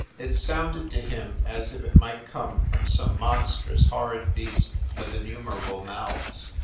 It sounded to him as if it might come from some monstrous, horrid beast with innumerable mouths.